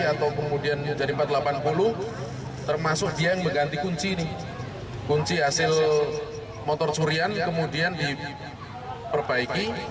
atau kemudian menjadi empat ratus delapan puluh termasuk dia yang mengganti kunci kunci hasil motor curian kemudian diperbaiki